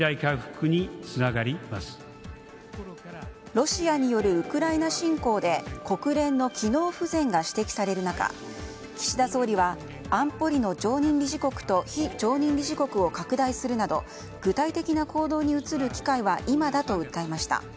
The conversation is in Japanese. ロシアによるウクライナ侵攻で国連の機能不全が指摘される中岸田総理は安保理の常任理事国と非常任理事国を拡大するなど具体的な行動に移る機会は今だと訴えました。